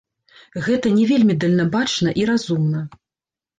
Гэта не вельмі дальнабачна і разумна.